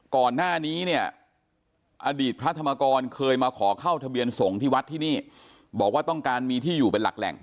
ก่อนหน้านี้เนี่ยอดีตพระธรรมกรเคยมาขอเข้าทะเบียนสงฆ์ที่วัดที่นี่บอกว่าต้องการมีที่อยู่เป็นหลักแหล่ง